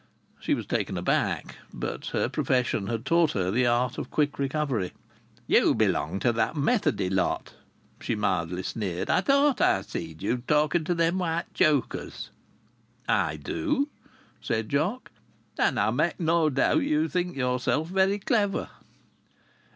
She was taken aback, but her profession had taught her the art of quick recovery. "You belong to that Methody lot," she mildly sneered. "I thought I seed you talking to them white chokers." "I do," said Jock. "And I make no doubt you think yourself very clever."